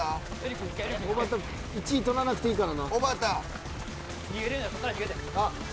おばた１位とらなくてええからな。